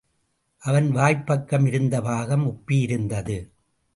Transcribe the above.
அவன் வாய்ப் பக்கம் இருந்த பாகம் உப்பி யிருந்தது.